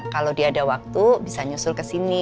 kalau dia ada waktu bisa nyusul kesini